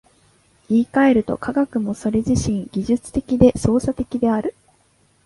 言い換えると、科学もそれ自身技術的で操作的である。